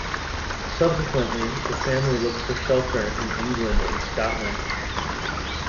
Subsequently, the family looked for shelter in England and Scotland.